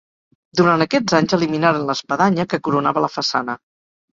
Durant aquests anys eliminaren l'espadanya que coronava la façana.